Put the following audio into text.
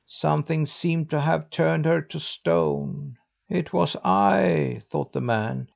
Something seemed to have turned her to stone. 'It was I,' thought the man.